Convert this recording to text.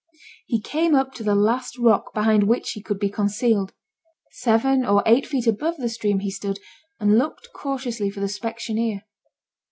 He came up to the last rock behind which he could be concealed; seven or eight feet above the stream he stood, and looked cautiously for the specksioneer.